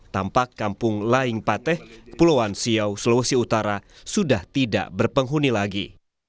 tampak kampung laing pateh ke pulauan siau sulawesi utara sudah tidak berpenghuni lagi